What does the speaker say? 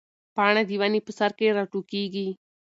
پاڼه د ونې په سر کې راټوکېږي.